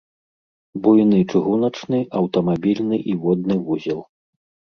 Буйны чыгуначны, аўтамабільны і водны вузел.